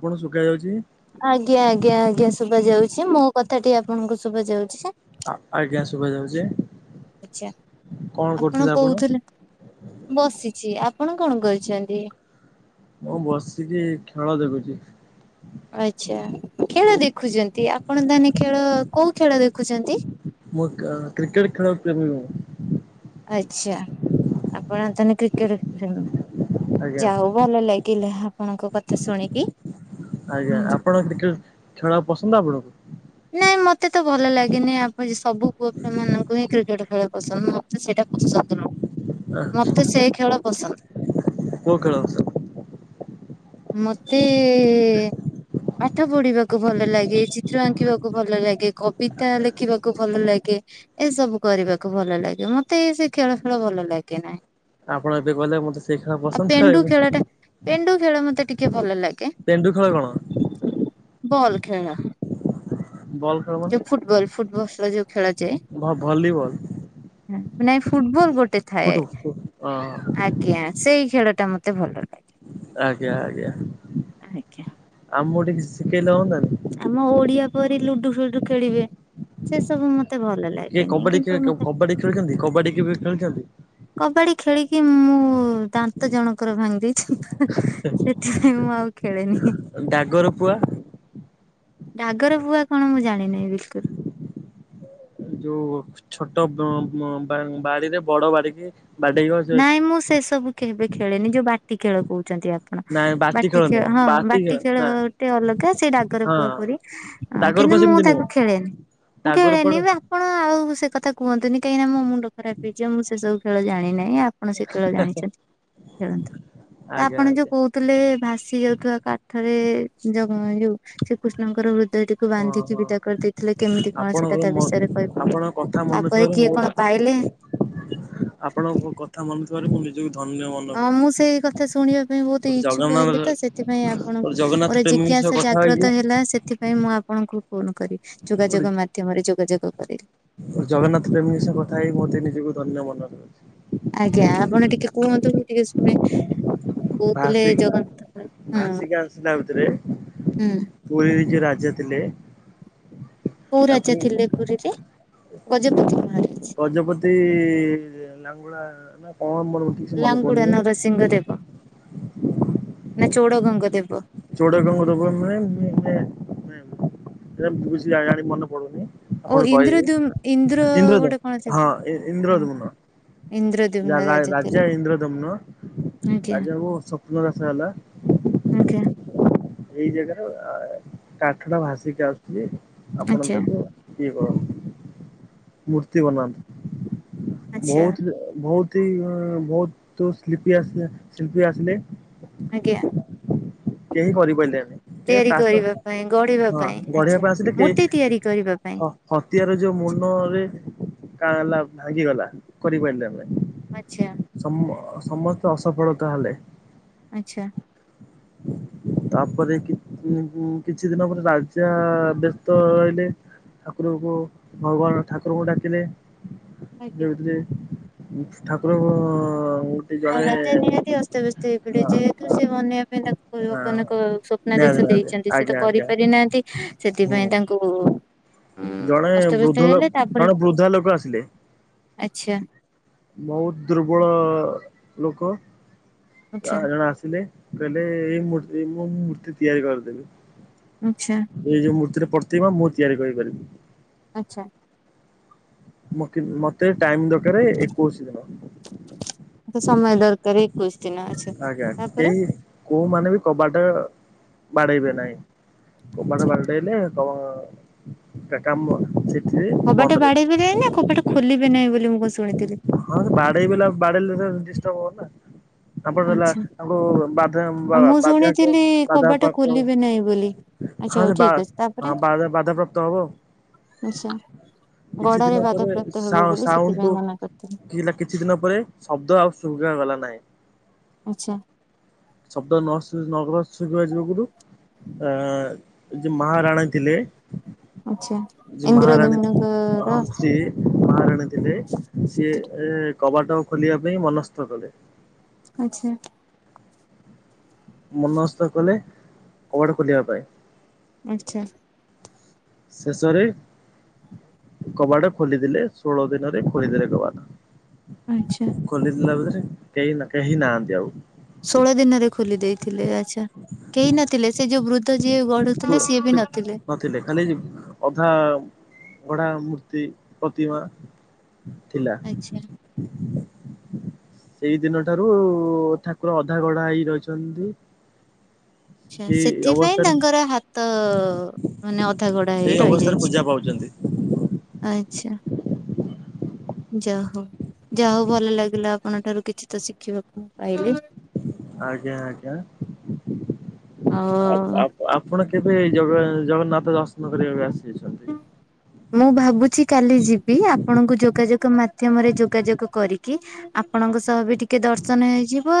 ଆପଣ ଶୁକା ଯାଉଚି। ଆଜ୍ଞା ଆଜ୍ଞା ଆଜ୍ଞା ଶୁବା ଯାଉଚି ମୋ କଥାଟି ଆପଣଙ୍କୁ ଶୁବା ଯାଉଚି ଯେ ଆଜ୍ଞା ଶୁଭାଯାଉଛି ଆଚ୍ଛା କଣ କରୁଥିଲେ ଆପଣ? ବସିଛି ଆପଣ କଣ କରୁଛନ୍ତି? ମୁଁ ବସିକି ଖେଳ ଦେଖୁଛି। ଆଛା ଖେଳ ଦେଖୁଛନ୍ତି? ଆପଣ ତାନେ ଖେଳ କୋଉ ଖେଳ ଦେଖୁଛନ୍ତି? ମୁଁ କ୍ରିକେଟ ଖେଳପ୍ରେମୀ ମୁଁ। ଆଛା ଆପଣ ତାହେନେ କ୍ରିକେଟ ପ୍ରେମୀ ଆଜ୍ଞା ଯାହଉ। ଭଲ ଲାଗିଲା। ଆପଣଙ୍କ କଥା ଶୁଣିକି ଆଜ୍ଞା ହୁଁ। ଆପଣ କ୍ରିକେଟ ଖେଳ ପସନ୍ଦ ଆପଣଙ୍କୁ? ନାଇଁ ମତେ ତ ଭଲ ଲାଗନି ଆପଣ ସବୁ ପୁଅ ପିଲା ମାନଙ୍କୁ ହିଁ କ୍ରିକେଟ ଖେଳ ପସନ୍ଦ ସେଇଟା ପସନ୍ଦ ନୁହୁଁ ମତେ ସେଇ ଖେଳ ପସନ୍ଦ। କୋଉ ଖଳ ପସ ମତେ ଏ ପାଠ ପଢିବାକୁ ଭଲ ଲାଗେ ଚିତ୍ର ଆଙ୍କିବାକୁ ଭଲ ଲାଗେ କବିତା ଲେଖିବାକୁ ଭଲ ଲାଗେ। ଏସବୁ କରିବାକୁ ଭଲ ଲାଗେ ମତେ ଏ ସେ ଖେଳ ଖେଳ ଭଲ ଲାଗେ ନାହିଁ। ଆପଣ ଏବେ କହିଲେ ମତେ ସେଇ ଖେଳ ଆଉ ପସନ୍ଦ ପେଣ୍ଡୁ ଏବେ ଖେଳ ଟା ପେଣ୍ଡୁ ଖେଳ ମତେ ଟିକେ ଭଲ ଲାଗେ ପେଣ୍ଡୁ ଖେଳ କଣ? ବଲ ଖେଳ। ବଲ୍। ଖେଳ ମାନେ ଯୋଉ ଫୁଟବଲ ଫୁଟବଲ ଯୋଉ ଭ ଭଲିବଲ ଖେଳାଯାଏ। ନାଇଁ ଫୁଟବଲ ଗୋଟେ ଥାଏ ଫୁଟୁ ଫୁ ହଁ ଆ ଜ୍ଞା ସେଇ ଖେଳଟା ମତେ ଭଲ ଲାଗେ। ଆଜ୍ଞା ଆଜ୍ଞା ଆଜ୍ଞା ଆମକୁ ଟିକେ ଶିଖେଇଲେ ହନ୍ତାନି। ଆମ ଓଡିଆ ପରି ଲୁଡୁ ଫୁଡୁ ଖେଳିବେ ସେ ସବୁ ମତେ ଭଲ ଲାଗ କିଏ କବାଡି ଖେଳେ କବାଡି ଖେଳିଛନ୍ତି କବାଡି କେବେ ଖେଳିଛନ୍ତି? କବାଡି ଖେଳିକି ମୁଁ ଦାନ୍ତ ଜଣଙ୍କର ଭାଙ୍ଗି ଦେଇଛି। ସେଥିପାଇଁ ମୁଁ ଆଉ ଖେଳେନି। ହି ଗାଗର ପୁଆ? ଗାଗରପୁଆ କଣ ମୁଁ ଜାଣିନାଇଁ ବିଲକୁଲ। ଯୋଉ ଛୋଟ ବୁଁ ବୁଁ ବାଡିରେ ବଡ ବାଡି କି? ନାଇଁ ମୁଁ ସେ ସବୁ କେବେ ଖେଳିନି ଯୋଉ ବାଟି ଖେଳ କହୁଛନ୍ତି ଆପ ନାଇଁ ବାଟି ଖେଳ ନୁହଁ ହଁ ବାଟି ଖେଳ ନା ଖେଳଟେ ଅଲଗା ସେ ଡାଗର ହଁ ପୁଆ ପରି। ହଁ ଡାଗର କିନ୍ତୁ ପୁଅ ମୁଁ ସେମିତି ନୁହଁ ତାକୁ ଖେଳେନି ମୁଁ ଡାଗର ପୁଅ ଖେଳେନି ବା ଆପଣ ଆଉ ସେ କଥା କୁହନ୍ତୁନି କାହିଁକିନା ମୋ ମୁଣ୍ଡ ଖରାପ ହେଇଯିବ ମୁଁ ସେସବୁ ଖେଳ ଜାଣିନାଇଁ ଆ ଆପଣ ସେ ଖେଳ ଜାଣିଛନ୍ତି ଖେଳନ୍ତୁ ତ ଆଜ୍ଞା ଆପଣ ଯୋଉ ଆଜ୍ଞା କହୁ ଥିଲେ ଭାସି ଯାଉଥିବା କାଠରେ ଜଗ ଯଉ ଶ୍ରୀକୃଷ୍ଣଙ୍କର ହୃଦୟଟି କୁ ବାନ୍ଧିକି ଓହୋ ବିଦା କରିଦେଇଥିଲେ କେମିତି କଣ ସେଟା ଆପଣଙ୍କର ତା ମ ବିଷୟରେ କହିବ ଆପଣଙ୍କ କଥା ମନେ ତାପରେ ଥିବାରୁ କିଏ ମୋ କଣ ପାଇଲେ ଆପଣଙ୍କ ମୋ କଥା ମାନୁଥିବାରୁ ମୁଁ ନିଜକୁ ଧନ୍ୟମ ହଁ ମୁଁ ସେଇ କଥା ଶୁଣିବା ପାଇଁ ବହୁତ ଇଛୁକ ଜଗନ୍ନାଥ ହେଲି ତ ସେଥିପାଇଁ ଗୋଟେ ଆପଣଙ୍କୁ ଜଗନ୍ନାଥ ମୋର ପ୍ରେମୀଙ୍କ ସହ ଜିଜ୍ଞାସା କଥା ହେଇକି ଜାଗ୍ରତ ହେ ହେଲା ସେଥିପାଇଁ ମୁଁ ଆପଣଙ୍କୁ ଫୋନ କରି ଗୋଟେ ଯୋଗାଯୋଗ ମାଧ୍ୟମରେ ଯୋଗାଯୋଗ କରି ଜଗନ୍ନାଥ ପ୍ରେମୀଙ୍କ ସହ କଥା ହେଇ ମତେ ନିଜକୁ ଧନ୍ୟ ମନେ ର ଆଜ୍ଞା ଆପଣ ଟିକେ କୁହନ୍ତୁ ମୁଁ ଟିକେ ଶୁଣେ। କହୁଥିଲେ ଭାସିକି ଜଗନ୍ନାଥ ହଁ ଭାସିକି ଆସିଲା ଭିତରେ ହୁଁ। ପୁରୀରେ ଜିଏ ରାଜା ଥିଲେ। କୋଉ ରାଜା ତାକୁ ଥିଲେ ପୁରୀରେ ଗଜପତି ମହାରାଜ ଗଜପତି ଲାଙ୍ଗୁଳା ନା କଣ ମୋର ମ ଲାଙ୍ଗୁଡା ନରସିଂହ ଦେବ ନା ଚୋଡଗଙ୍ଗ ଦେବ। ଚୋଡ଼ଗଙ୍ଗ ନୁହେଁ ମେ ମେ [unintelligible] ମନେ ପଡୁନି। ଓ ଆପଣ କହିବେ ଇନ୍ଦ୍ରଦ୍ୟୁମ୍ ଇନ୍ଦ୍ର ଇନ୍ଦ୍ରଦୁମ୍ ଗୋଟେ କଣ ଥିଲେ ହଁ ଇ ଇ ହଁ ଇନ୍ଦ୍ରଦୁମ୍ନ। ଇନ୍ଦ୍ରଦ୍ୟୁମ୍ନ ଯା ରା ଥିଲେ ରାଜା ଇନ୍ଦ୍ରଦୁମ୍ନ ଆଜ୍ଞା ରାଜାକୁ ବ ସ୍ୱପ୍ନ ଦାସ ହେଲା। ଆଜ୍ଞା। ଏଇ ଜାଗାର କାଠଟା ଭାସିକି ଆସୁଛି ଆପଣ ଆଚ୍ଛା ତାକୁ କି କର ମୂର୍ତ୍ତି ବନାନ୍ତୁ ଆଚ୍ଛା ବହୁତ ବହୁତ ତିଇ ଆଁ ବହୁତ ସ୍ଲିପି ଆସିଲେ ଶିଳ୍ପୀ ଆସିଲେ। ଆଜ୍ଞା। କେହି କରିପାଇଲେନି। କେ ତିଆରି ଟ୍ରା କରିବା ପାଇଁ ଗଢିବା ହଁ ପାଇଁ ଗଢିବା ଆଚ୍ଛା ପାଇଁ ଆସିଲେ ମୂର୍ତ୍ତି କେହି ତିଆରି କରିବା ପାଇଁ ହଁ ହତିଆର ଯୋଉ ମୁଣ୍ଡରେ କାଣ ହେଲା ଭାଙ୍ଗିଗଲା କରିପାରିଲେ ଆମେ ଆଚ୍ଛା ସମ ସମସ୍ତେ ଅସଫଳତା ହେଲେ। ଆଛା। ତାପରେ କି କିଛି ଦିନ ପରେ ରାଜା ବ୍ୟସ୍ତ ରହିଲେ। ଠାକୁରଙ୍କୁ ଭଗବାନ ଠାକୁରଙ୍କୁ ଡାକିଲେ ଆଜ୍ଞା। ରେ ଠାକୁରଙ୍କ ଆଉ ରାଜା ନିହାତି ଅସ୍ତବ୍ୟସ୍ତ ହେଇପଡିବ ଯେହେତୁ ହଁ ସେ ବନେ ତା ହଁ। ଲୋକାନକ ନିହାତି ସ୍ୱପ୍ନାଦେଶ ନିହାତି ଦେଇଛନ୍ତି ସେ ଆଜ୍ଞା ତ ଆଜ୍ଞା କରିପାରି ନାହାନ୍ତି ହୁଁ। ସେଥିପାଇଁ ତାଙ୍କୁ କୋ ଜଣେ ବୃଦ୍ଧ ଲ ଜଣେ ବୃଦ୍ଧା ଲୋକ ଆସିଲେ। ଆଚ୍ଛା ବହୁତ ଦୁର୍ବଳ ଲୋକ ଆଚ୍ଛା ତା ଜଣେ ଆସିଲେ କହିଲେ ଏଇ ମୂର୍ତ୍ତି ଏଇ ମୁ ମୂର୍ତ୍ତି ତିଆରି କରିଦେବି। ଆଛା। ଏଇ ଯୋଉ ମୂର୍ତ୍ତିର ପର୍ତିମା ମୁଁ ତିଆରି କରିପାରିବି। ଆଚ୍ଛା। ମକି ମତେ ଟାଇମ ଦରକାର ଏକୋଇଶି ଦିନ। ସମୟ ଦରକାର ଏକୋଇଶି ଦିନ ଆଛା ଆଜ୍ଞା କେହି ତାପରେ? କୋଉମାନେ ବି କବାଟ ବାଡେଇବେ ନାହିଁ। କବାଟ ଆଚ୍ଛା ବାଡେଇଲେ ତ କା କାମ ସେ କବାଟା ବାଡେଇବେ ନାହିଁ ନା କବାଟା ଖୋଲିବେ ନାହିଁ ବୋଲି ମୁଁ କଣ ଶୁଣିଥିଲି? ହଁ ବାଡେଇବେଲା ବାଡେଇଲେ ତ ଡିଷ୍ଟର୍ବ ହବ ନା। ତାପରେ ଦେଲା ଆଚ୍ଛା। ତାଙ୍କୁ ଆଉ ବା ମୁଁ ବାଧ୍ୟ ଶୁଣିଥିଲି ବାଧା କବାଟ ପ୍ରାପ୍ତ। ଖୋଲିବେ ନାହିଁ ବୋଲି। ଆଚ୍ଛା ହଁ ହଉ ଯେ ବା ଠିକ ଅଛି ବାଧା ବାଧାପ୍ରାପ୍ତ ହବ। ଆଛା କିଛି ଦିନ ଗଢାରେ ପରେ ବାଧାପ୍ରାପ୍ତ ହବ ବୋଲି ସେଥିପାଇଁ ସାଉଣ୍ଡ ମନା କରିଥିଲେ। କି ହେଲା କିଛି ଦିନ ପରେ ଶବ୍ଦ ଆଉ ଶୁଭାଗଲା ନାହିଁ। ଆଚ୍ଛା। ଶବ୍ଦ ନ ଶୁ ନ ହେବା ଶୁବିବା ଯୋଗୁରୁ ଯେ ମହାରାଣୀ ଥିଲେ ଆଚ୍ଛା ଯିଏ ଇନ୍ଦ୍ର ମହାରାଣୀ ଥି ଦମନଙ୍କର ହଁ ସିଏ ମହାରାଣୀ ଥିଲେ ସିଏ କବାଟ ଖୋଲିବା ପାଇଁ ମନସ୍ଥ କଲେ। ଆଛା। ମନସ୍ତ କଲେ କବାଟ ଖୋଲିବା ପାଇଁ। ଆଛା। ଶେଷରେ କବାଟ ଖୋଲିଦେଲେ ଷୋହଳ ଦିନରେ ଖୋଲିଦେଲେ କବାଟ। ଆଚ୍ଛା। ଖୋଲିଦେଲା ଭିତରେ କେହି କେହି ନାହାନ୍ତି ଆଉ। ଷୋହଳ ଦିନରେ ଖୋଲି ଦେଇଥିଲେ ଆଚ୍ଛା କେହି ନଥିଲେ ସେ ଯୋଉ ବୃ ତ ଯିଏ ଗଢୁଥିଲେ ସିଏ ବି ନଥିଲେ। ଥିଲେ ଖାଲି ଅଧା ଗଡା ମୂର୍ତ୍ତି ପ୍ରତିମା ଥିଲା। ଆଚ୍ଛା। ସେଇ ଦିନ ଠାରୁ ଠାକୁର ଅଧା ଗଢା ହେଇ ରହିଛନ୍ତି। ଆଛା ସେଇ ସେଥିପାଇଁ ଅବସ୍ଥାରେ ତାଙ୍କର ହାତ ମାନେ ଅଧା ଗଡା ହେଇ ରହିଯାଇଛି। ଛନ୍ତି। ଆଚ୍ଛା। ଯା ହଉ ଯା ହଉ ଭଲ ଲାଗିଲା ଆପଣଙ୍କ ଠାରୁ କିଛି ତ ଶିଖିବାକୁ ମୁଁ ପାଇଲି। ଆଜ୍ଞା ଆଜ୍ଞା ଆଉ ଆ ଆପଣ କେବେ ଜଗନ୍ନାଥ ଦର୍ଶନ କରିବାକୁ ଆସିଛନ୍ତି? ହଁ। ମୁଁ ଭାବୁଛି କାଲି ଯିବି ଆପଣଙ୍କୁ ଯୋଗାଯୋଗ ମାଧ୍ୟମରେ ଯୋଗାଯୋଗ କରିକି ଆପଣଙ୍କ ସହ ବି ଟିକେ ଦର୍ଶନ ହେଇଯିବ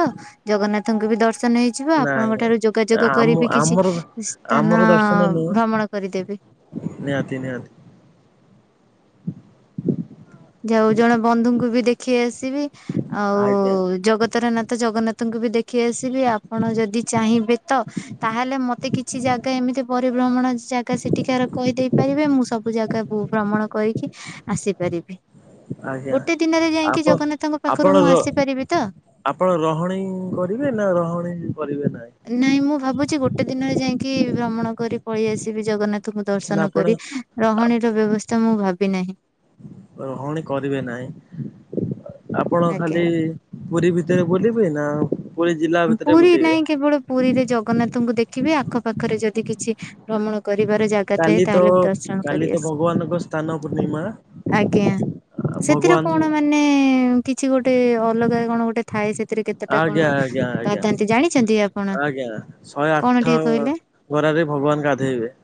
ଜଗନ୍ନାଥଙ୍କୁ ବି ଦର୍ଶନ ହେଇଯିବ। ଯିବ ନାଇଁ ଆପଣଙ୍କ ନାଇଁ ଠାରୁ ଯୋଗାଯୋଗ ଆମ କରିବି କିଛି ଆମର ଆମର ସ୍ଥାନ ଦର୍ଶନ ନୁହଁ ଭ୍ରମଣ କରିଦେବି। ନିହାତି ନିହାତି। ଯାଉ ଜଣେ ବନ୍ଧୁଙ୍କୁ ବି ଦେଖି ଆସିବି ଆଉ ଆଜ୍ଞା ଜଗତର ନା ତ ଜଗନ୍ନାଥଙ୍କୁ ବି ଦେଖି ଆସିବି ଆପଣ ଯଦି ଚାହିଁବେ ତ। ତାହେଲେ ମତେ କିଛି ଜାଗା ଏମିତି ପରିଭ୍ରମଣ ଜାଗା ସେଠିକ କହିଦେଇ ପାରିବେ ମୁଁ ସବୁ ଜାଗାକୁ ଭ୍ରମଣ କରକି ଆସିପାରିବି। ଆଜ୍ଞା। ଗୋଟେ ଦିନରେ ଯାଇକି ଆପଣ ଜଗନ୍ନାଥଙ୍କ ପାଖରୁ ଆପଣ ମୁଁ ର ଆସିପାରିବି ତ? ଆପଣ ରହଣି କରିବେ ନା ରହଣି କରିବେ ନାହିଁ? ନାଇଁ ମୁଁ ଭାବୁଛି ଗୋଟେ ଦିନରେ ଯାଇକି ଭ୍ରମଣ କରି ପଳେଇ ଆସିବି ଜଗନ୍ନାଥ। ତକୁ ତାହେଲେ ଦର୍ଶନ ଆପଣ କରି ରହଣୀର ବ୍ୟବସ୍ଥା ମୁଁ ଭାବି ନାହିଁ। ରହଣୀ କରିବେ ନାହିଁ ଆପଣ ଖାଲି ଆଜ୍ଞା। ପୁରୀ ଭିତରେ ବଲିବି ନା ପୁରୀ ଜିଲ୍ଲା ଭିତରେ ପୁରୀ ବୁଲିବେ? ନାହିଁ କେବଳ ପୁରୀରେ ଜଗନ୍ନାଥଙ୍କୁ ଦେଖିବି ଆଖପାଖରେ ଯଦି କିଛି ଭ୍ରମଣ କରିବାର ଜାଗା କଥା ହେଇ କାଲି ତ ତାହେଲେ ଦଶ ଜଣ କାଲି କରି ତ ଆସିବି ଭଗବାନଙ୍କ ସ୍ଥାନ ପୂର୍ଣ୍ଣିମା ଆଜ୍ଞା। ସେଥିରେ ଭଗବାନ କଣ ମାନେ କିଛି ଗୋଟେ ଅଲଗା କଣ ଗୋଟେ ଥାଏ ସେଥିରେ କେତେଟା କଣ? ଆଜ୍ଞା ଆଜ୍ଞା ଆଜ୍ଞା [unintelligible] ଜାଣିଛନ୍ତି। ଆପଣ ଆଜ୍ଞା ଶହେ କଣ ଆଠ ଟିକେ କହିଲେ? ଗରାରେ ଭଗବାନ ଗାଧୋଇବେ।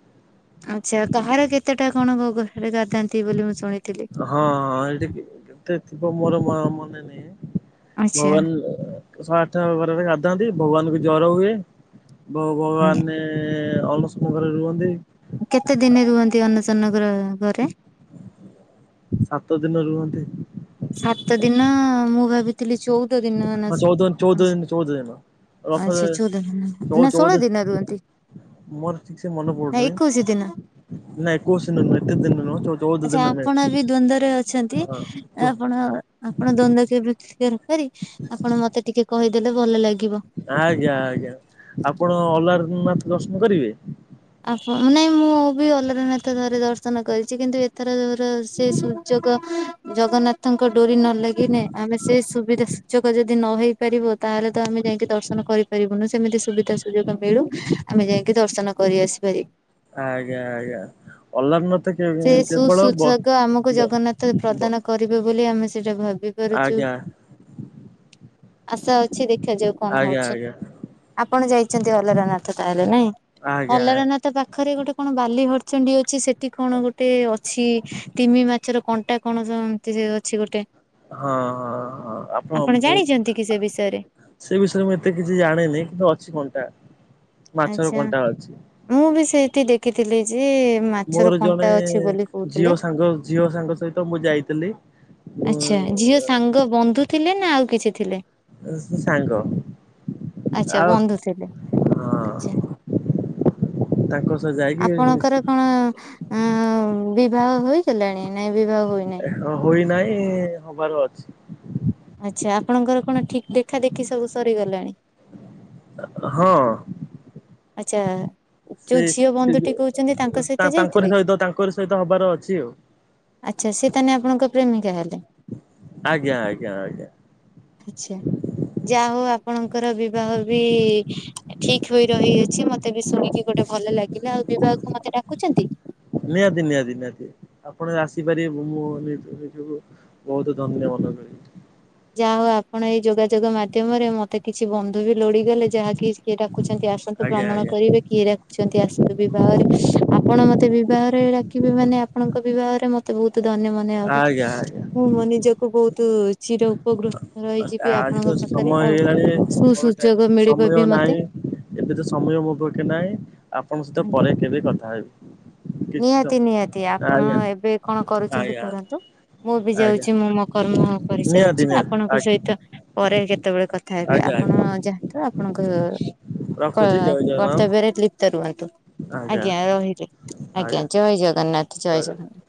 ଆଚ୍ଛା କାହାର କେତେଟା କଣୋରେ ଗାଧାନ୍ତି ବୋଲି ମୁଁ ଶୁଣିଥିଲି? ହଁ ହଁ ଏଠି କେତେ ଥିବ ମୋର ମାନେ ନହି ଆଚ୍ଛା ଭଗବାନ ସଠ ବରରେ ଗାଧାନ୍ତି ଭଗବାନ କୁ ଜ୍ଵର ହୁଏ ଆଜ୍ଞା। ଭଗବାନରେ ଅଲସ ଘରେ ରୁହନ୍ତି। କେତେ ଦିନ ରୁହନ୍ତି ଅନଚନଗର ଘରେ? ସାତ ଦିନ ରୁହନ୍ତି। ସାତ ଦିନ ମୁଁ ଭାବିଥିଲି ଚଉଦ ଦିନ। ହଁ ଚଉଦ ଚଉଦ ଦିନ ଚଉଦ ଦିନ ରଥରେ ଆଚଛା ଚଉଦ ଦିନ ଚଉ ନା ଚଉଦ ଷୋହଳ ଦିନ ରୁହନ୍ତି। ମୋର ଠିକ ସେ ମନେ ନା ପଡୁନି ଏକୋଇଶି ଦିନ। ନା ଏକୋଇସି ଦିନ ଏତେ ଦିନ ନୁହ। ଆଚ୍ଛା ଆପଣ ବି ଦ୍ଵନ୍ଦ୍ୱରେ ଅଛନ୍ତି ହଁ ଚଉ ଆପଣ ଆପଣ ଦ୍ଵନ୍ଦ କେମତି ପରି ଆପଣ ମତେ ଟିକେ କହିଦେଲେ ଭଲ ଲାଗିବ। ଆଜ୍ଞା ଆଜ୍ଞା ଆପଣ ଅଲାରନାଥ ଦର୍ଶନ କରିବେ? ଆ ନାଇଁ ମୁଁ ବି ଅଲାରନାଥ ଧରେ ଦର୍ଶନ କରିଛି କିନ୍ତୁ ଏଥର ସେ ସୂଚକ ଜଗନ୍ନାଥଙ୍କ ଡୋରି ନ ଲାଗିନେ ଆମେ ସେ ସୁବିଧା ସୁୂଚକ ଯଦି ନ ହେଇ ପାରିବ ତାହେଲେ ତ ଆମେ ଯାଇକି ଦର୍ଶନ କରିପାରିବୁ ନା ସେମିତି ସୁବିଧା ସୁଯୋଗ ମିଳୁ ଆମେ ଯାଇକି ଦର୍ଶନ କରି ଆସିିପାରିବୁ। ଆଜ୍ଞା ଆଜ୍ଞା ଅଲାରନାଥ। କେ ସେ ସୁ କେବଳ ବ ସୁଯୋଗ ଆମକୁ ବ ଜଗନ୍ନାଥ ବ ପ୍ରଦାନ କରିବେ ବୋଲି ଆମେ ସେଇଟା ଭାବି ପାରୁଛୁ ଆଜ୍ଞା ଆଶା ଅଛି ଦେଖ ଦେଖାଯାଉ କଣ ଆଜ୍ଞା ହଉଛି? ଆଜ୍ଞା ଆପଣ ଯାଇଛନ୍ତି ଅଲରାନାଥ ତାହେଲେ ନାଇଁ ଆଜ୍ଞା। ଅଲାରନାଥ ପାଖ ପାଖରେ ଗୋଟେ କଣ ବାଲି ହରଚଣ୍ଡୀ ଅଛି ସେଠି କଣ ଗୋଟେ ଅଛି ତିମି ମାଛର କଣ୍ଟା କଣ ଏମିତି ଅଛି ଗୋଟେ ହଁ ହଁ ହଁ ଆପଣ ବହୁ ଜାଣିଛନ୍ତି କି ସେ ବିଷୟରେ? ସେ ବିଷୟରେ ମୁଁ ଏତେ କିଛି ଜାଣେନି କିନ୍ତୁ ଅଛି କଣ୍ଟା ମାଛର ଆଚ୍ଛା କଣ୍ଟା ଅଛି। ମୁଁ ବି ସେଇଠି ଦେଖିଥିଲି ଯେ ମାଛର ମୋର କଣ୍ଟା ଜଣେ ଅଛି ବୋଲି କହୁଥିଲେ। ଝିଅ ସାଙ୍ଗ ଝିଅ ସାଙ୍ଗ ସହିତ ମୁଁ ଯାଇଥିଲି। ଆଚ୍ଛା ଝିଅ ସାଙ୍ଗ ବନ୍ଧୁ ଥିଲେ ନା ଆଉ କିଛି ଥିଲେ? ସାଙ୍ଗ ଆଛା ଆଉ ବନ୍ଧୁ ଥିଲେ। ଆଛା ହଁ ତାଙ୍କ ସହ ଯାଇକି ଆପଣଙ୍କର ହଁ ଅ ବିବାହ ହୋଇଗଲାଣି ନାଇଁ ବିବାହ ହୋଇନାହିଁ? ହୋଇନାହିଁ ହବାର ଅଛି। ଆଚ୍ଛା ଆପଣଙ୍କର କଣ ଠିକ୍ ଦେଖାଦେଖି ସବୁ ସରିଗଲାଣି। ହଁ। ଆଚ୍ଛା। ସେ ଯୋଉ ଝିଅ ବନ୍ଧୁଟି କହୁଛନ୍ତି ତାଙ୍କ ସହିତ ତାଙ୍କର ଯାଇଥିଲେ କି? ସହିତ ତାଙ୍କର ସହିତ ହବାର ଅଛି ଆଉ ଆଚ୍ଛା ସେ ତାନେହେଲେ ଆପଣଙ୍କ ପ୍ରେମିକା ହେଲେ। ଆଜ୍ଞା ଆଜ୍ଞା ଆଜ୍ଞା। ଆଛା ଯାହା ହଉ ଆପଣଙ୍କର ବିବାହ ବି ଠିକ ହୋଇ ରହିଅଛି ମତେ ବି ଶୁଣିକି ଗୋଟେ ଭଲ ଲାଗିଲା ଆଉ ବିବାହକୁ ମତେ ଡାକୁଛନ୍ତି? ନିହାତି ନିହାତି ନିହାତି ଆପଣ ଆସିପାରିବେ ମୁଁ ମୋ ନିଜକୁ ବହୁତ ଧନ୍ୟ ମନେ କରିବି। ଯାହା ହଉ ଆପଣ ଏଇ ଯୋଗାଯୋଗ ମାଧ୍ୟମରେ ମତେ କିଛି ବନ୍ଧୁ ବି ଲୋଡିଗଲେ ଯାହାକି କିଏ ଡାକୁଛନ୍ତି ଆସନ୍ତୁ ଆଜ୍ଞା ଭ୍ରମଣ ଆଜ୍ଞା କରିବେ କିଏ ଡାକୁଛନ୍ତି ଆସନ୍ତୁ ବିବାହରେ ଆପଣ ମତେ ବିବାହରେ ଡାକିବେ ମାନେ ଆପଣଙ୍କ ବିବାହରେ ମତେ ବହୁତ ମତେ ଧନ୍ୟ ମନେ ହବ ଆଜ୍ଞା ଆଜ୍ଞା। ମୁଁ ମୋ ନିଜକୁ ବହୁତ ଚିର ଉପ ଉପକୃତ ରହିଯିବି ଆଜି ତ ଆପଣଙ୍କ ପାଖରେ ସମୟ ଆଉ ହେଇଗଲାଣି ସୁ ମୋର ଟା ସୁୁଯୋଗ ମିଳିବ ସମୟ ବି ନାହିଁ। ମତେ। ଏବେ ତ ସମୟ ମୋ ପଖେ ନାହିଁ ଆପଣଙ୍କ ସହିତ ପରେ କେବେ କଥା ହେବି। କିଛି ସମ ନିହାତି ନିହାତି ଆପଣ ଆଜ୍ଞା ଏବେ କଣ କରୁଛନ୍ତି ଆଜ୍ଞା କରନ୍ତୁ। ମୁଁ ବି ଆଜ୍ଞା ଯାଉଛି ମୁଁ ମୋ କର୍ମ ନିହାତି କରିଚାଲୁଛି। ନିହାତି ଆପଣଙ୍କ ଆଜ୍ଞା ସହିତ ପରେ କେତେବେଳେ କଥା ହେବି ଆଜ୍ଞା ଆପଣ ଆଜ୍ଞା ଯାହା ଆପଣଙ୍କ ରଖୁଛି ଜୟ ଜଗନ୍ନାଥ କର୍ତ୍ତବ୍ୟରେ ଲିପ୍ତ ରୁହନ୍ତୁ। ଆଜ୍ଞା ରହିଲି ଆଜ୍ଞା ଜୟ ଜଗନ୍ନାଥ ଜୟ ଜଗନ୍ନାଥ।